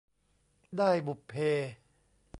ด้ายบุพเพ